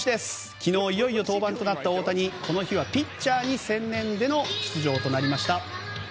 昨日いよいよ登板となった大谷、この日はピッチャーに専念での出場となりました。